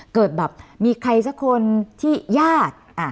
เกิดแบบมีใครสักคนที่ญาติ